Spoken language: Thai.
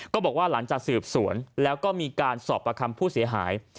ก็บอกว่าหลังจากสืบสวนแล้วก็มีการสอบประคำผู้เสียหาย